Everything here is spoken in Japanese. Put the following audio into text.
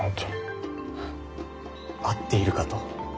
あ合っているかと。